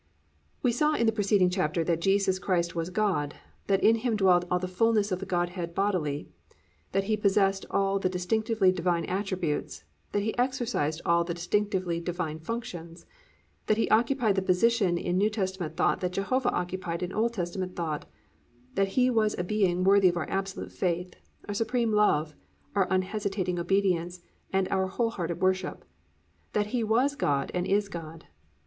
"+ We saw in the preceding chapter that Jesus Christ was God, that in Him dwelt all the fullness of the Godhead bodily, that He possessed all the distinctively divine attributes, that He exercised all the distinctively divine functions, that He occupied the position in New Testament thought that Jehovah occupied in Old Testament thought, that He was a being worthy of our absolute faith, our supreme love, our unhesitating obedience, and our whole hearted worship, that He was God and is God.